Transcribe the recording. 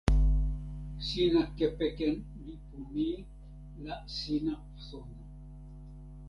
sina kepeken lipu ni la sina sona.